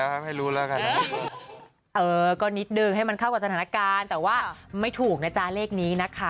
เออก็นิดนึงให้มันเข้าทางสถานการณ์แต่ว่าไม่ถูกนะจ๊ะเลขนี้นะคะ